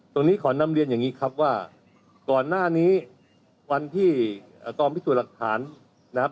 ขอนำเรียนอย่างนี้ครับว่าก่อนหน้านี้วันที่กองพิสูจน์หลักฐานนะครับ